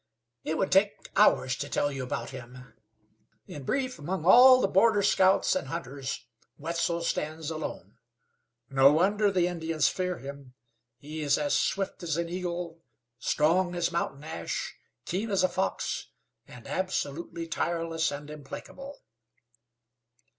It would take hours to tell you about him. In brief, among all the border scouts and hunters Wetzel stands alone. No wonder the Indians fear him. He is as swift as an eagle, strong as mountain ash, keen as a fox, and absolutely tireless and implacable."